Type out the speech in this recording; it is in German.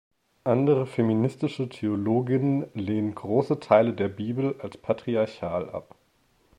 Andere feministische Theologinnen lehnen große Teile der Bibel als patriarchal ab.